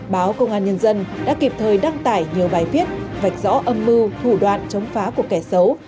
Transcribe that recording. báo công an nhân dân đã kịp thời đăng tải nhiều bài viết vạch rõ âm mưu thủ đoạn chống phá của kẻ xấu